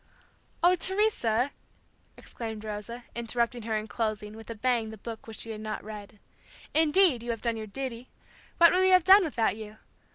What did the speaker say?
"Oh, Teresa," exclaimed Rosa, interrupting her and closing, with a bang the book which she had not read. "Indeed, you have done your duty. What would we have done without you?